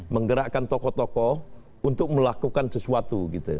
menggerakkan tokoh tokoh untuk melakukan sesuatu